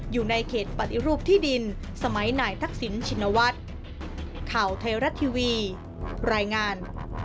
อยู่ในเขตปฏิรูปที่ดินสมัยนายทักษิณชินวัฒน์ข่าวไทยรัฐทีวีรายงาน